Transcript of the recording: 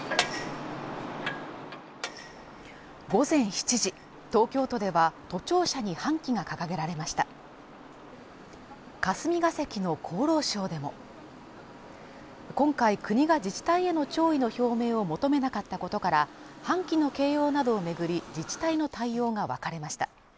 午前７時東京都では都庁舎に半旗が掲げられました霞が関の厚労省でも今回国が自治体への弔意の表明を求めなかったことから半旗の掲揚などを巡り自治体の対応が分かれました